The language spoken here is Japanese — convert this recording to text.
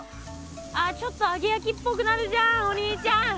あちょっと揚げやきっぽくなるじゃんお兄ちゃん。